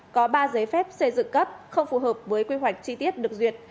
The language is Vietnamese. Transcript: có ba giấy phép xây dựng cấp không phù hợp với quy hoạch chi tiết được duyệt